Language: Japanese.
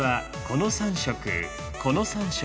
この３色。